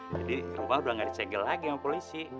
jadi ke rumah udah nggak ada segel lagi sama polisi